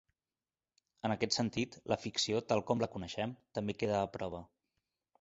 En aquest sentit, la ficció tal com la coneixem, també queda a prova.